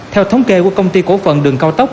theo thống kê của công ty cổ phận đường cao tốc